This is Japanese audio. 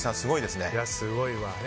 すごいわ。